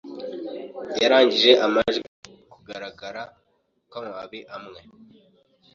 yarangije amajwi Kugaragara kwamababi amwe